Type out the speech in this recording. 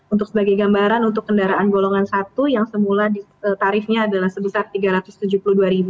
untuk sebagai gambaran untuk kendaraan golongan satu yang semula tarifnya adalah sebesar rp tiga ratus tujuh puluh dua